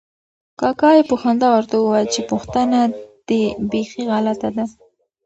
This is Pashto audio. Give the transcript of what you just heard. کاکا یې په خندا ورته وویل چې پوښتنه دې بیخي غلطه ده.